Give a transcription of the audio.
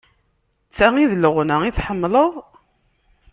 D ta i d leɣna tḥemmleḍ?